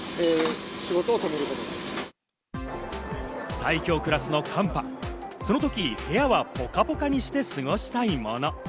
最強クラスの寒波、そのとき部屋はポカポカにして過ごしたいもの。